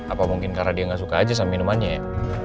apa mungkin karena dia nggak suka aja sama minumannya ya